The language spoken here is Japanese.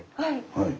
はい。